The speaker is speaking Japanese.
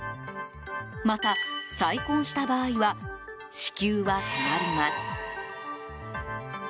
また、再婚した場合は支給は止まります。